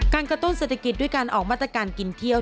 กระตุ้นเศรษฐกิจด้วยการออกมาตรการกินเที่ยว